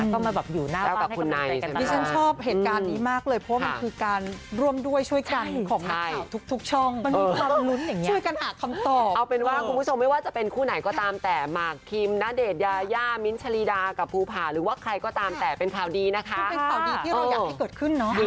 คือเป็นข่าวดีที่เราอยากให้เกิดขึ้น